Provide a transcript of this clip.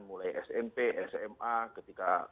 mulai smp sma ketika